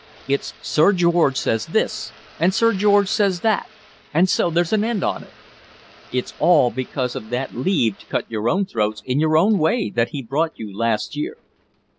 It's 'Sir George says this,' and 'Sir George says that,' and so there's an end on't. It's all because of that leave to cut your own throats in your own way that he brought you last year.